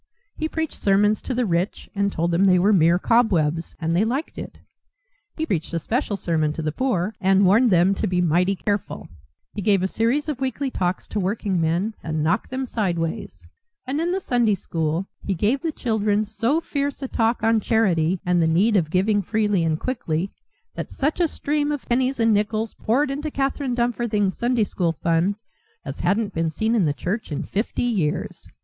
He preached sermons to the rich and told them they were mere cobwebs, and they liked it; he preached a special sermon to the poor and warned them to be mighty careful; he gave a series of weekly talks to workingmen, and knocked them sideways; and in the Sunday School he gave the children so fierce a talk on charity and the need of giving freely and quickly, that such a stream of pennies and nickels poured into Catherine Dumfarthing's Sunday School Fund as hadn't been seen in the church in fifty years.